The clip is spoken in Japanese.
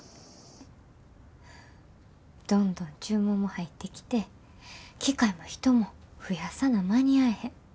どんどん注文も入ってきて機械も人も増やさな間に合えへん。